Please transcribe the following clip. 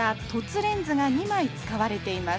レンズが２枚使われています。